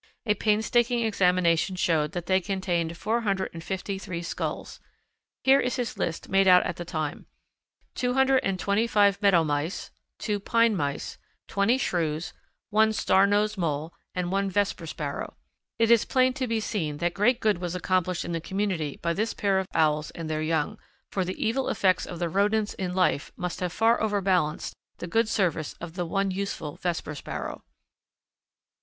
A painstaking examination showed that they contained four hundred and fifty three skulls. Here is his list made out at the time: two hundred and twenty five meadow mice, two pine mice, twenty shrews, one star nosed mole, and one Vesper Sparrow. It is plain to be seen that great good was accomplished in the community by this pair of Owls and their young, for the evil effects of the rodents in life must have far overbalanced the good service of the one useful Vesper Sparrow.